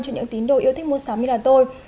cho những tín đồ yêu thích mua sắm như là tôi